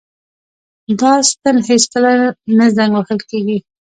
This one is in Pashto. دا ستن هیڅکله نه زنګ وهل کیږي.